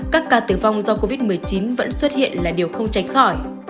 các ca tử vong do covid một mươi chín vẫn xuất hiện là điều không tránh khỏi